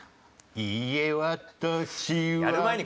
「いいえ私は」